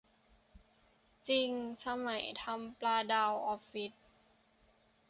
จริง สมัยทำปลาดาวออฟฟิศ